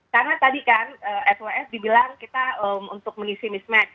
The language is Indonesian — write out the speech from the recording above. karena tadi kan sos dibilang kita untuk mengisi mismatch